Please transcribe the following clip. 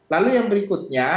lalu yang berikutnya